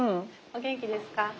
お元気ですか？